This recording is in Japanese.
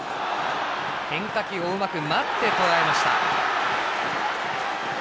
変化球をうまく待ってとらえました。